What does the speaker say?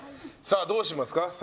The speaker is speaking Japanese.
さあどうしますか？